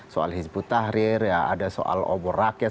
soal hizbut tahrir ya ada soal obor rakyat